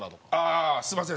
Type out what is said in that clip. ああすみません。